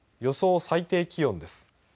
予想最低気温です。